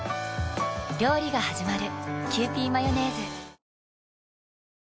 料理がはじまる。